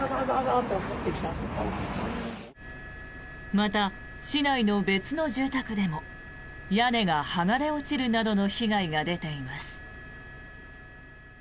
また、市内の別の住宅でも屋根が剥がれ落ちるなどの被害が出ています。